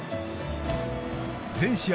全試合